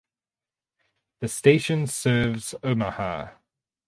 The station serves Omaha.